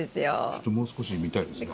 ちょっともう少し見たいですね。